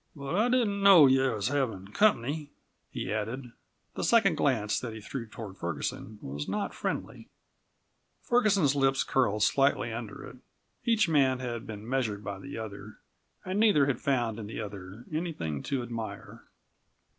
"But I didn't know you was havin' company," he added. The second glance that he threw toward Ferguson was not friendly. Ferguson's lips curled slightly under it. Each man had been measured by the other, and neither had found in the other anything to admire.